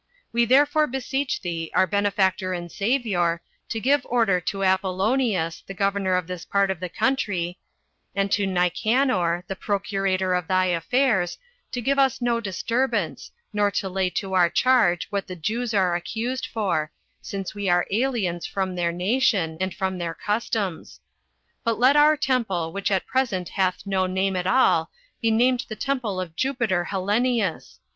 We therefore beseech thee, our benefactor and Savior, to give order to Apollonius, the governor of this part of the country, and to Nicanor, the procurator of thy affairs, to give us no disturbance, nor to lay to our charge what the Jews are accused for, since we are aliens from their nation, and from their customs; but let our temple, which at present hath no name at all be named the Temple of Jupiter Hellenius.